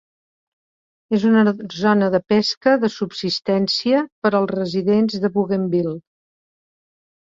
És una zona de pesca de subsistència per als residents de Bougainville.